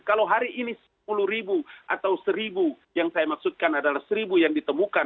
kalau hari ini sepuluh ribu atau seribu yang saya maksudkan adalah seribu yang ditemukan